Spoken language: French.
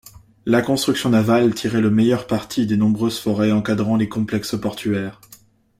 La construction navale tirait le meilleur parti des nombreuses forêts encadrant les complexes portuaires.